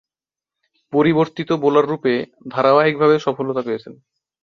পরিবর্তিত বোলাররূপে ধারাবাহিকভাবে সফলতা পেয়েছেন।